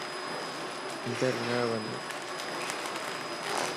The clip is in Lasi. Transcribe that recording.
اندر نه وڃ